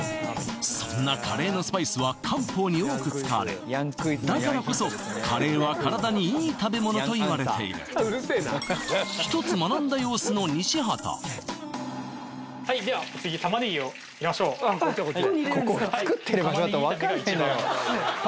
そんなカレーのスパイスは漢方に多く使われだからこそカレーは体にいい食べ物といわれている一つ学んだ様子の西畑では次ここに入れるんですかです